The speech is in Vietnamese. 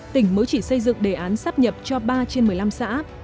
tỉnh mới chỉ xây dựng đề án sắp nhập cho ba trên một mươi năm xã